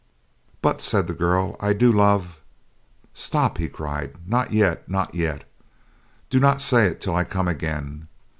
"But," said the girl, "I do love—" "Stop," he cried, "not yet, not yet. Do not say it till I come again.